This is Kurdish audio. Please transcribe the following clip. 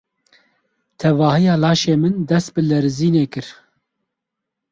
Tevahiya laşê min dest bi lerizînê kir.